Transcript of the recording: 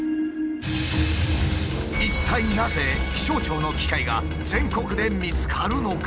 一体なぜ気象庁の機械が全国で見つかるのか！？